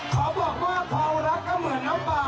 ขอบอกว่าเผารักก็เหมือนน้ำเปล่า